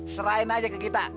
serahin aja ke kita